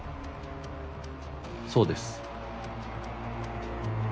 そうです。